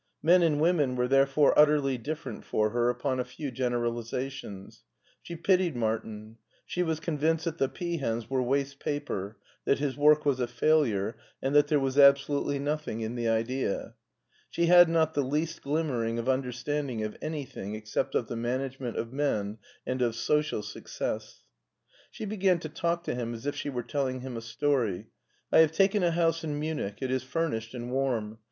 Men and women were therefore ut terly different for her upon a few generalizations. She pitied Martin ; she was convinced that the peahens were waste paper, that his work was a failure, and that there was absolutely nothing in the idea. She had not the least glimmering of understanding of anything except of the management of men and of social success. She began to talk to him as if she were telling him a story. " I have taken a house in Munich. It is furnished and warm.